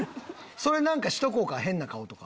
それ何かしとこうか変な顔とか。